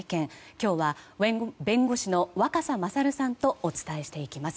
今日は弁護士の若狭勝さんとお伝えしていきます。